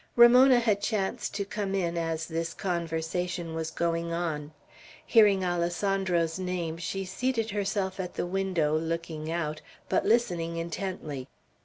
Ramona had chanced to come in as this conversation was going on. Hearing Alessandro's name she seated herself at the window, looking out, but listening intently.